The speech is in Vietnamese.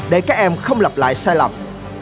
để các em không lặp lại sai lầm